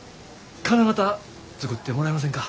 金型作ってもらえませんか？